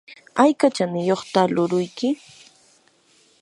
¿ayka chaniyuqtaq luuruyki?